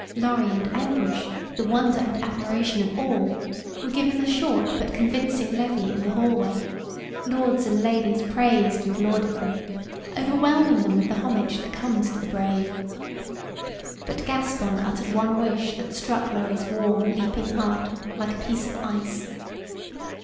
Lorry and Anguish, the wonder and admiration of all, were given a short but convincing levee in the hallway. Lords and ladies praised and lauded them, overwhelming them with the homage that comes to the brave. But Gaspon uttered one wish that struck Lorry's warm, leaping heart like a piece of ice.